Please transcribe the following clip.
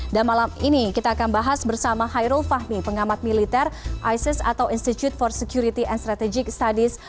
dan malam ini kita akan bahas bersama hairul fahmi pengamat militer isis atau institute for security and strategic studies